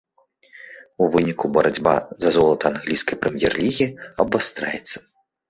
У выніку барацьба за золата англійскай прэм'ер-лігі абвастраецца.